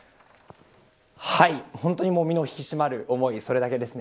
本当に身の引き締まる思い、それだけです。